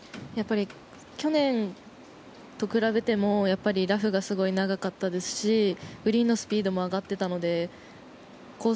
去年と比べてもラフがすごい長かったですしグリーンのスピードも上がっていたのでコース